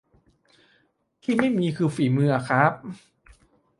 ที่ไม่มีคือฝีมืออะครับ